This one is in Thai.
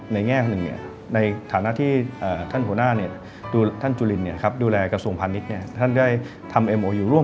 ในแง่อย่างหนึ่งเนี่ย